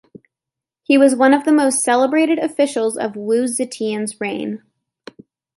He was one of the most celebrated officials of Wu Zetian's reign.